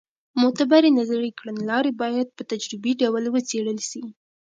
معتبرې نظري کړنلارې باید په تجربي ډول وڅېړل سي.